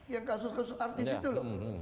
ya kasus kasus artis itu loh